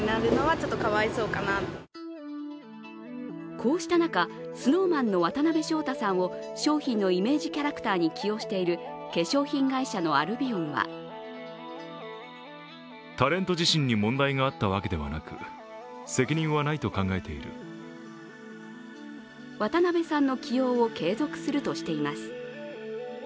こうした中、ＳｎｏｗＭａｎの渡辺翔太さんを商品のイメージキャラクターに起用している化粧品会社のアルビオンは渡辺さんの起用を継続するとしています。